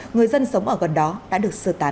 người dân sống ở gần đó đã được sơ tán